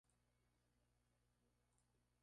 Existen muchas variantes.